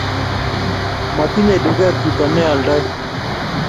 matinyei duket chito ne aldoi